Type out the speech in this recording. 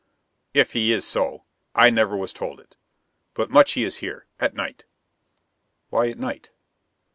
"If he is so, I never was told it. But much he is here at night." "Why at night?"